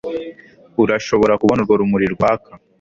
Urashobora kubona urwo rumuri rwaka